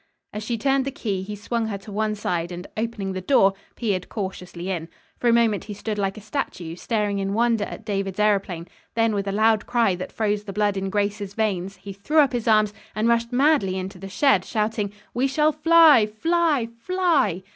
As she turned the key he swung her to one side, and, opening the door, peered cautiously in. For a moment he stood like a statue staring in wonder at David's aëroplane, then with a loud cry that froze the blood in Grace's veins, he threw up his arms and rushed madly into the shed, shouting, "We shall fly, fly, fly!"